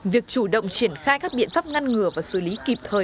việc chủ động triển khai các biện pháp ngăn ngừa và xử lý kịp thời